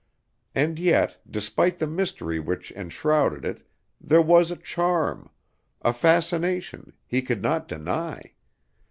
And yet, despite the mystery which enshrouded it, there was a charm, a fascination, he could not deny.